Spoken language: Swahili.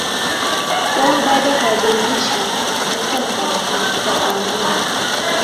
wao bado hawajainishwa Katika nakala hii tutakuambia